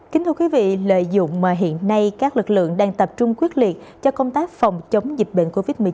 kính thưa quý vị lợi dụng mà hiện nay các lực lượng đang tập trung quyết liệt cho công tác phòng chống dịch bệnh covid một mươi chín